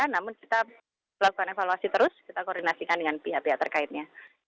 namun kita lakukan evaluasi terus kita koordinasikan dengan pihak pihak terkaitnya